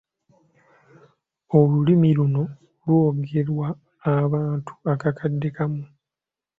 Olulimi luno lwogerwa abantu akakadde kamu.